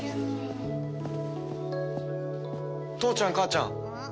父ちゃん母ちゃん